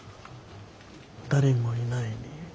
誰もいない。